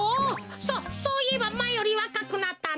そそういえばまえよりわかくなったな。